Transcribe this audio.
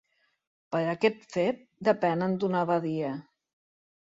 Per aquest fet, depenen d'una abadia.